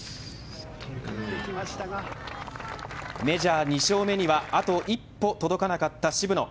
メジャー２勝目にはあと一歩届かなかった渋野。